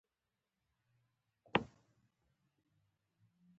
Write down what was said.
هغسې مسوولت ترسره نه کړ.